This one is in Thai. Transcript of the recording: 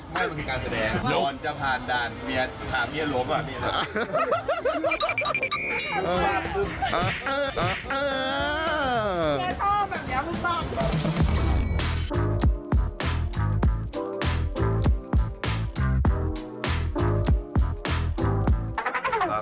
เมียชอบแบบนี้ถูกต้อง